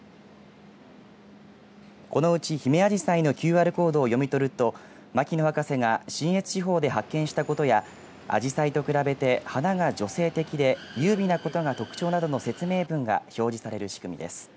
このうち、ヒメアジサイのＱＲコードを読み取ると牧野博士が信越地方で発見したことやあじさいと比べて花が女性的で優美なことが特徴などの説明文が表示される仕組みです。